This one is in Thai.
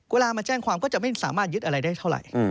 มาแจ้งความก็จะไม่สามารถยึดอะไรได้เท่าไหร่